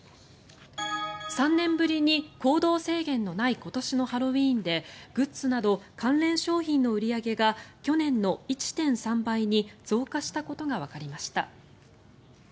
３年ぶりに行動制限のない今年のハロウィーンでグッズなど関連商品の売り上げが去年の１．３倍に増加したことがわかりました。